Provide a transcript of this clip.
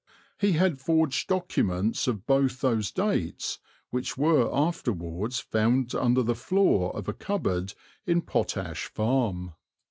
He had forged documents of both those dates, which were afterwards found under the floor of a cupboard in Potash Farm.